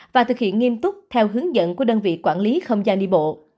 và thực hiện nghiêm túc theo hướng dẫn của đơn vị quản lý không gian đi bộ